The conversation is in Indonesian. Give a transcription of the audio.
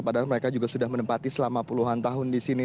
padahal mereka juga sudah menempati selama puluhan tahun di sini